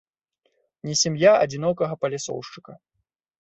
Не сям'я адзінокага палясоўшчыка.